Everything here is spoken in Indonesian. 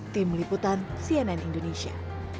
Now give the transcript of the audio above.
tim liputan cnn indonesia